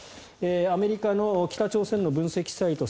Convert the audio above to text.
アメリカの北朝鮮の分析サイト３８